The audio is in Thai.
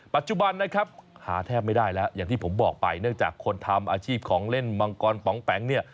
ปัจจุบันนะครับหาแทบไม่ได้แล้วอย่างที่ผมบอกไปเนื่องจากคนทำอาชีพของเล่นมังกรป๋องแป๋งเนี่ย